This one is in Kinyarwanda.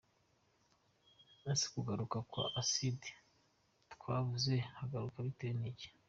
Ese kugaruka kwa acide twavuze haruguru biterwa n’iki?.